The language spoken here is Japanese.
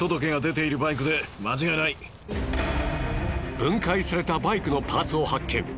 分解されたバイクのパーツを発見。